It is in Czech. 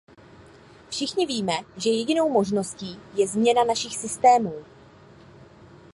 Všichni víme, že jedinou možností je změna našich systémů.